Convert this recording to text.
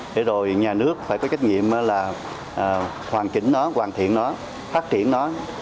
để rồi nhà nước phải có kết nghiệm là hoàn chỉnh nó hoàn thiện nó phát triển nó